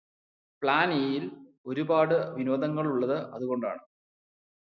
plan A യിൽ ഒരുപാട് വിനോദങ്ങളുള്ളത് അതുകൊണ്ടാണ്